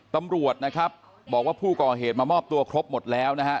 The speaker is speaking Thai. ตำรวจนะครับบอกว่าผู้ก่อเหตุมามอบตัวครบหมดแล้วนะฮะ